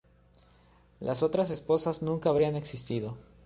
Las otras esposas nunca habrían existido.